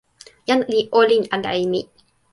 jan li olin ala e mi.